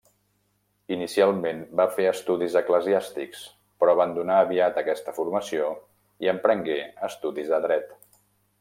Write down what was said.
Inicialment va fer estudis eclesiàstics, però abandonà aviat aquesta formació i emprengué estudis de dret.